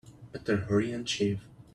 Better hurry and shave.